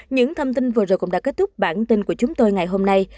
những thông tin vừa rồi cũng đã kết thúc bản tin của chúng tôi ngày hôm nay